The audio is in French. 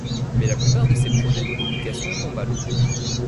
Mais la plupart de ses projets de publications tombent à l’eau.